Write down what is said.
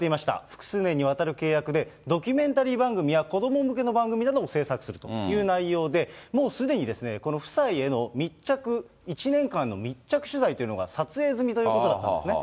複数年にわたる契約で、ドキュメンタリー番組や、子ども向けの番組などを制作するという内容で、もうすでにですね、この夫妻への密着１年間、密着取材というのが撮影済みということだったんですね。